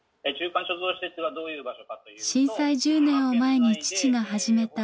震災１０年を前に父が始めた伝承活動。